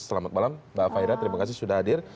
selamat malam mbak faira terima kasih sudah hadir